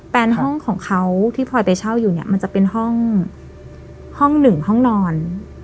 แฟนห้องของเขาที่พลอยไปเช่าอยู่เนี่ยมันจะเป็นห้องห้องหนึ่งห้องนอน